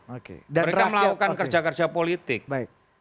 mereka melakukan kerja kerja politik